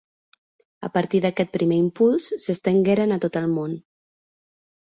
A partir d'aquest primer impuls, s'estengueren a tot el món.